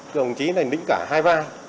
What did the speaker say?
đồng chí này nĩnh cả hai vai